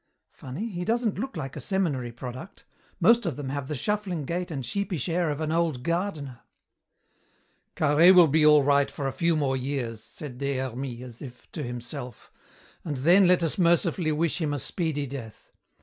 "Funny. He doesn't look like a seminary product. Most of them have the shuffling gait and sheepish air of an old gardener." "Carhaix will be all right for a few more years," said Des Hermies, as if to himself, "and then let us mercifully wish him a speedy death.